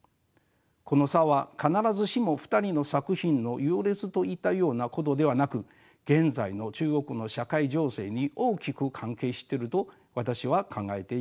この差は必ずしも２人の作品の優劣といったようなことではなく現在の中国の社会情勢に大きく関係してると私は考えています。